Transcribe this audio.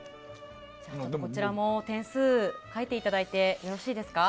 こちらも点数、書いていただいてよろしいですか？